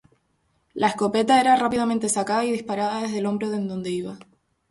La escopeta era rápidamente sacada y disparada desde el hombro en donde iba.